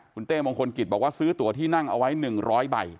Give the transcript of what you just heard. คุณเต้มงคลกิจบอกว่าซื้อตัวที่นั่งเอาไว้๑๐๐ใบ